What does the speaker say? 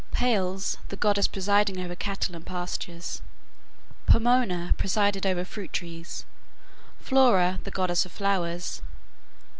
Pales, the goddess presiding over cattle and pastures. Pomona presided over fruit trees. Flora, the goddess of flowers.